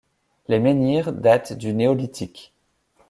Les menhirs datent du Néolithique.